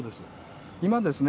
今ですね